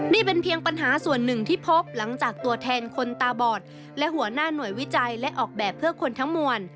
นี่เป็นเพียงปัญหาส่วนหนึ่งที่พบหลังจากตัวแทนคนตาบอดและหัวหน้าหน่วยวิจัยและออกแบบเพื่อคนทั้งมวล